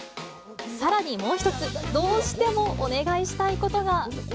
さらにもう一つ、どうしてもお願いしたいことが。